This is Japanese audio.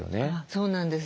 そうなんです。